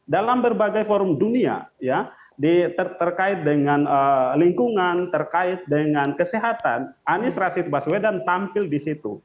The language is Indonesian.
dalam berbagai forum dunia terkait dengan lingkungan terkait dengan kesehatan anies rasid baswedan tampil di situ